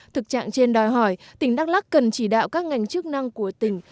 thực trạng trên đòi hỏi tỉnh đắk lắc cần chỉ đạo các ngành chức năng của tỉnh